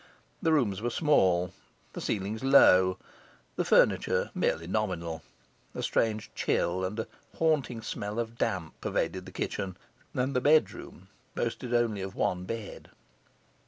The rooms were small, the ceilings low, the furniture merely nominal; a strange chill and a haunting smell of damp pervaded the kitchen; and the bedroom boasted only of one bed.